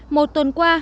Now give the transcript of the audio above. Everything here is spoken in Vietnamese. một tuần qua